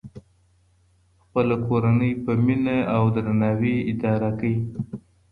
خپله کورنۍ په مینه او درناوي اداره کړئ.